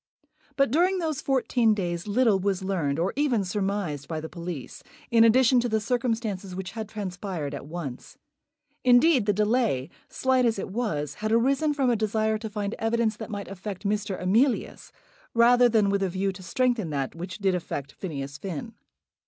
But during those fourteen days little was learned, or even surmised, by the police, in addition to the circumstances which had transpired at once. Indeed the delay, slight as it was, had arisen from a desire to find evidence that might affect Mr. Emilius, rather than with a view to strengthen that which did affect Phineas Finn.